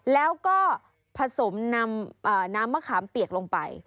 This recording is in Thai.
แล้วก็ผสมนำน้ำมะขามเปียกลงไป